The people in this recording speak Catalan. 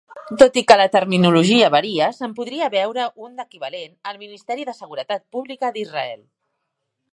Tot i que la terminologia varia, se'n podria veure un d'equivalent al Ministeri de Seguretat Pública d'Israel.